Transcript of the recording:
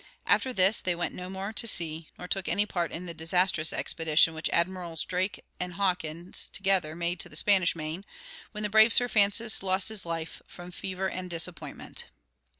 After this they went no more to sea, nor took any part in the disastrous expedition which Admirals Drake and Hawkins, together, made to the Spanish Main, when the brave Sir Francis lost his life, from fever and disappointment.